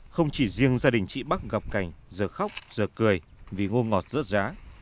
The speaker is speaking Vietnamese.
không chỉ riêng gia đình chị bắc gặp cảnh giờ khóc giờ cười vì ngô ngọt rớt giá